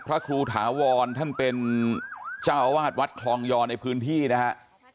พระครูถาวรท่านเป็นเจ้าอาวาสวัดคลองยอในพื้นที่นะฮะ